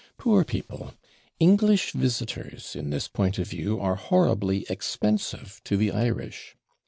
Poor people! English visitors, in this point of view, are horribly expensive to the Irish.